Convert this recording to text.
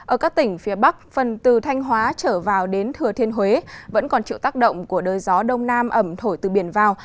ở các tỉnh phía bắc phần từ thanh hóa trở vào đến thừa thiên huế vẫn còn chịu tác động của đới gió đông nam ẩm thổi từ biển vào